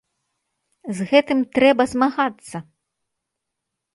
З гэтым трэба змагацца.